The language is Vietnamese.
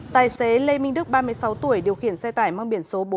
tài xế lê minh đức ba mươi sáu tuổi điều khiển xe tải mang biển số bốn mươi